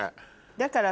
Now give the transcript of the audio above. だから。